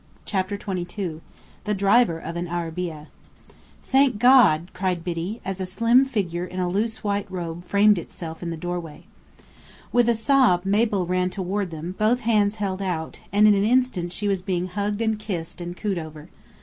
CHAPTER XXII THE DRIVER OF AN ARABEAH "Thank God!" cried Biddy, as a slim figure in a loose white robe framed itself in the doorway. With a sob, Mabel ran toward them, both hands held out, and in an instant she was being hugged and kissed and cooed over.